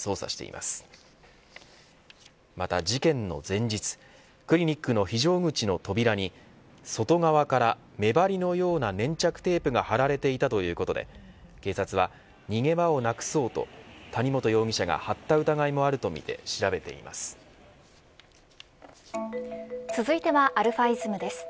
また、事件の前日クリニックの非常口の扉に外側から目張りのような粘着テープが貼られていたということで警察は逃げ場をなくそうと谷本容疑者が貼った疑いもあるとみて続いてはαｉｓｍです。